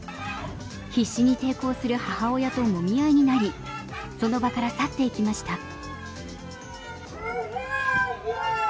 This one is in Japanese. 必至に抵抗する母親ともみ合いになり、その場から去って行きました。